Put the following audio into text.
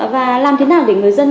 và làm thế nào để người dân